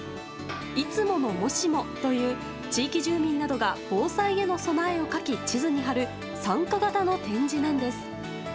「いつものもしも」という地域住民などが防災への備えを書き、地図に貼る参加型の展示なんです。